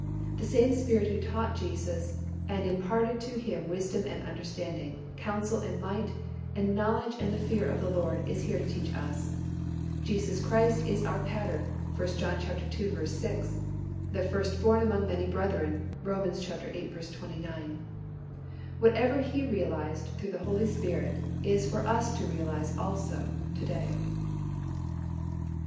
The same Spirit who taught Jesus and imparted to Him wisdom and understanding, counsel and might, and knowledge and the fear of the Lord is here to teach us. Jesus Christ is our pattern (1 John ii. 6), "the first born among many brethren" (Rom. viii. 29). Whatever He realized through the Holy Spirit is for us to realize also to day.